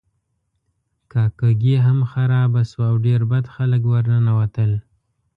کاکه ګي هم خرابه شوه او ډیر بد خلک ورننوتل.